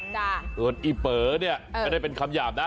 โดนอีเป๋อไม่ได้เป็นคำหยาบนะ